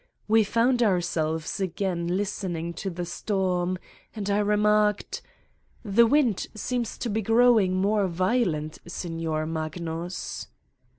We found ourselves again listening to the storm and I remarked : "The wind seems to be growing more violent, Signor Magnus."